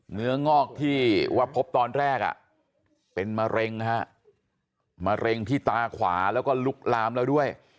งอกที่ว่าพบตอนแรกเป็นมะเร็งฮะมะเร็งที่ตาขวาแล้วก็ลุกลามแล้วด้วย